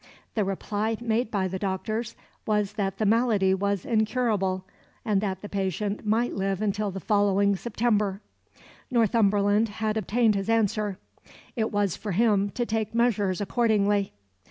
The reply made by the doctors was that the malady was incurable, and that the patient might live until the following September. Northumberland had obtained his answer; it was for him to take measures accordingly.